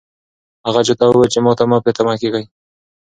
هغه چا ته وویل چې ماته مه په تمه کېږئ.